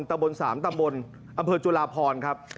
ตำบล๓ตำบลอจุฬาพรครับ